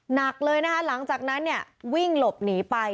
หนักเลยนะคะหลังจากนั้นเนี่ยวิ่งหลบหนีไป